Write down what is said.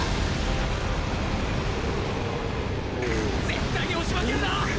絶対に押し負けるな！